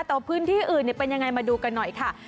แต่ว่าพื้นที่อื่นเป็นยังไงมาดูกันหน่อยค่ะ